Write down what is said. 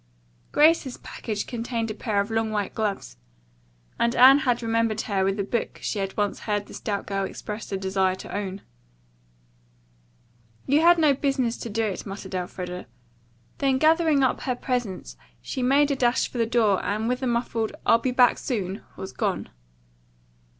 Grace's package contained a pair of long white gloves, and Anne had remembered her with a book she had once heard the stout girl express a desire to own. "You had no business to do it," muttered Elfreda. Then gathering up her presents she made a dash for the door and with a muffled, "I'll be back soon," was gone.